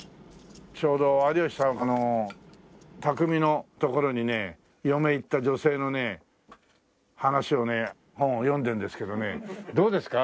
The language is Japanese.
ちょうど有吉佐和子の匠のところにね嫁へ行った女性のね話をね本を読んでるんですけどねどうですか？